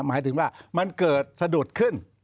หมายถึงว่ามันเกิดสะดุดขึ้น